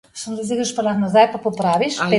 Ali ste prepričani v to?